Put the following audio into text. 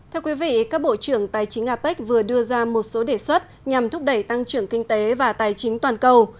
thưa quý vị các bộ trưởng tài chính apec vừa đưa ra một số đề xuất nhằm thúc đẩy tăng trưởng kinh tế và tài chính toàn cầu